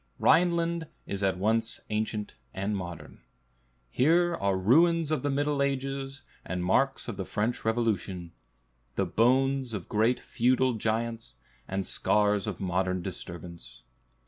Rhineland is at once ancient and modern. Here are "ruins of the Middle Ages, and marks of the French Revolution; the bones of great feudal giants, and scars of modern disturbance."